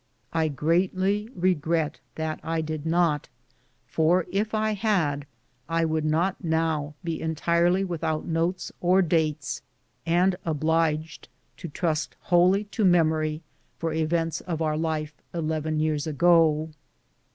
I greatly regret that I did not, for if I had I would not now be entirely without notes or dates, and obliged to trust wholly to memory for events of our life eleven years ago.